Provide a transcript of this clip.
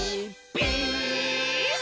ピース！」